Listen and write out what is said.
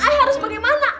i harus bagaimana